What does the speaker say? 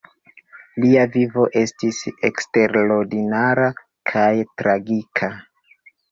Lia vivo estis eksterordinara kaj tragika.